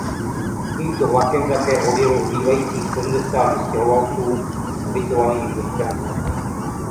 Tímto vlakem také odjelo zbývajících sedmdesát vystěhovalců, ubytovaných v měšťance.